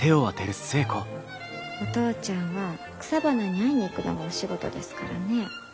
お父ちゃんは草花に会いに行くのがお仕事ですからね。